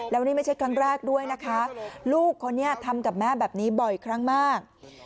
แล้วนี่ไม่ใช่ครั้งแรกด้วยนะคะลูกคนนี้ทำกับแม่แบบนี้บ่อยครั้งมาก